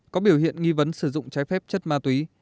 có biểu hiện nghi vấn sử dụng trái phép chất ma túy